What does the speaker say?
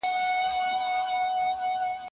که سم ځواب وي نو حیرانتیا نه پاتې کیږي.